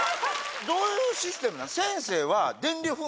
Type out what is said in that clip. どういうシステムなん？